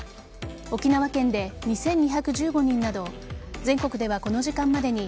沖縄県で２２１５人など全国ではこの時間までに